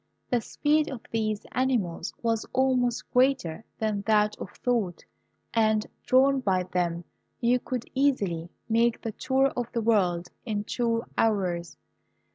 The speed of these animals was almost greater than that of thought; and, drawn by them, you could easily make the tour of the world in two hours.